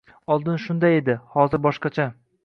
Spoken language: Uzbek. Oldin shunday edi, hozir boshqacha.